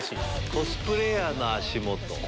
コスプレーヤーの足元。